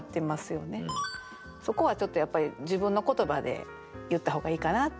そこはちょっとやっぱり自分の言葉で言った方がいいかなって。